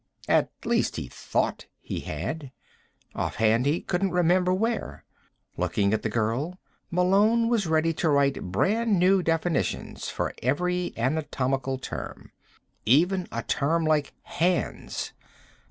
At least, he thought he had. Off hand, he couldn't remember where. Looking at the girl, Malone was ready to write brand new definitions for every anatomical term. Even a term like "hands."